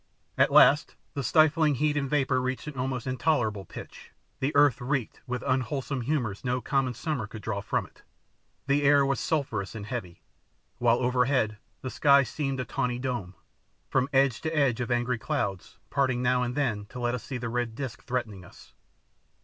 At last the stifling heat and vapour reached an almost intolerable pitch. The earth reeked with unwholesome humours no common summer could draw from it, the air was sulphurous and heavy, while overhead the sky seemed a tawny dome, from edge to edge of angry clouds, parting now and then to let us see the red disc threatening us.